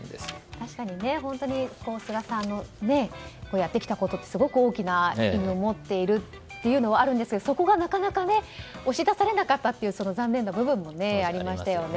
確かに本当に菅さんのやってきたことってすごく大きな意味を持っているというのもありますがそこがなかなか押し出されなかったという残念な部分もありましたよね。